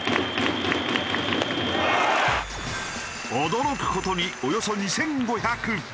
驚く事におよそ２５００。